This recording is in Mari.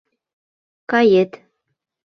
— Кает!